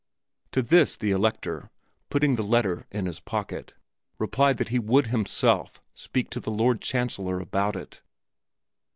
To this the Elector, putting the letter in his pocket, replied that he would himself speak to the Lord Chancellor about it.